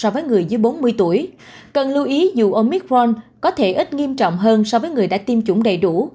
so với người dưới bốn mươi tuổi cần lưu ý dù omicron có thể ít nghiêm trọng hơn so với người đã tiêm chủng đầy đủ